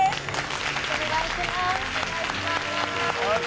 よろしくお願いします。